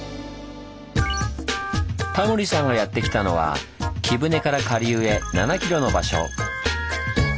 タモリさんがやって来たのは貴船から下流へ７キロの場所。